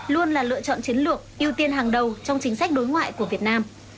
luôn là lựa chọn chiến lược ưu tiên hàng đầu trong chính sách đối ngoại của việt nam